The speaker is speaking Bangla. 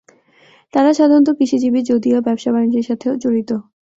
তাঁরা সাধারণত কৃষিজীবী যদিও ব্যবসা-বাণিজ্যের সাথেও জড়িত।